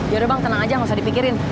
yaudah bang tenang aja nggak usah dipikirin